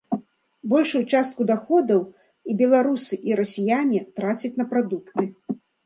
Большую частку даходаў і беларусы, і расіяне трацяць на прадукты.